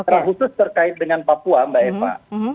nah khusus terkait dengan papua mbak eva